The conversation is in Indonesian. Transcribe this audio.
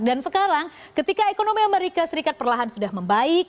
dan sekarang ketika ekonomi as perlahan sudah membaik